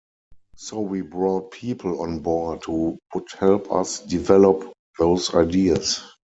So we brought people on board who would help us develop those ideas.